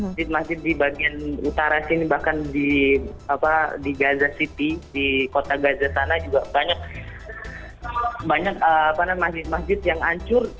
masjid masjid di bagian utara sini bahkan di gaza city di kota gaza sana juga banyak masjid masjid yang hancur